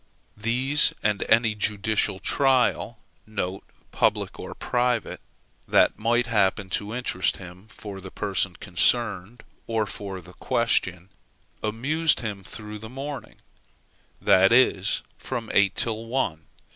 These, and any judicial trial (public or private) that might happen to interest him for the persons concerned, or for the questions, amused him through the morning; that is, from eight till one.